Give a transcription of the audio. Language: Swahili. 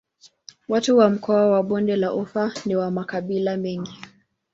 Watu wa mkoa wa Bonde la Ufa ni wa makabila mengi.